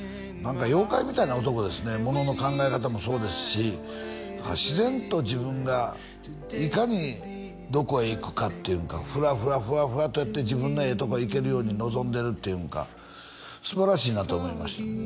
何か妖怪みたいな男ですねものの考え方もそうですし自然と自分がいかにどこへいくかっていうんかフラフラフラフラとやって自分のええとこいけるように望んでるっていうんか素晴らしいなと思いました